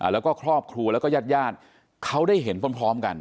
แล้วก็ครอบครัวแล้วก็ญาติญาติเขาได้เห็นพร้อมกัน